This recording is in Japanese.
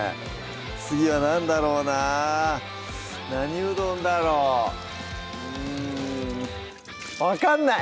次は何だろうな何うどんだろううん分かんない！